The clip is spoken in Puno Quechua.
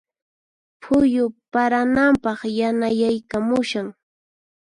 Phuyu parananpaq yanayaykamushan.